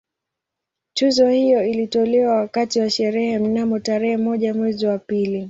Tuzo hiyo ilitolewa wakati wa sherehe mnamo tarehe moja mwezi wa pili